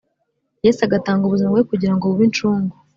Yesu agatanga ubuzima bwe kugira ngo bube incungu